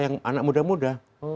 yang anak muda muda